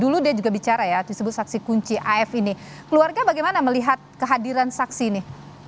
dulu dia juga bicara ya disebut saksi kunci af ini keluarga bagaimana melihat kehadiran saksi ini